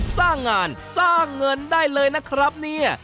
สร้างงานสร้างเงินได้เลยนะครับเนี่ย